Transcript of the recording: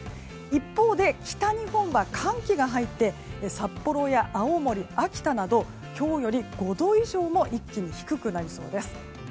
一方で北日本は寒気が入って札幌や青森、秋田などは今日より５度以上も一気に低くなりそうです。